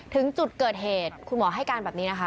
ถึงจุดเกิดเหตุคุณหมอให้การแบบนี้นะคะ